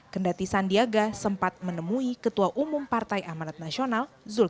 kendati sandiaga sempat menemui ketua umum partai amanat nasional zulkifli